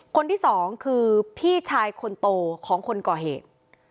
คนที่สองคือพี่ชายคนโตของคนก่อเหตุ